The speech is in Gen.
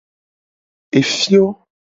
Efio.